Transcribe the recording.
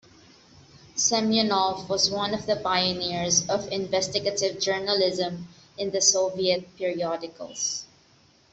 Semyonov was one of the pioneers of "Investigative journalism" in the Soviet periodicals.